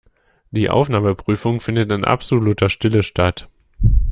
Die Aufnahmeprüfung findet in absoluter Stille statt.